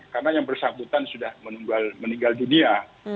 karena yang bersambutan sudah meninggal dunia